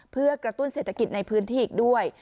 เพื่อกระตุ้นเศรษฐกิจในพื้นที่อีกด้วย